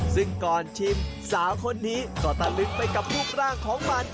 ซึ่งก่อนชิมสาวคนนี้ก็ตะลึกไปกับรูปร่างของมัน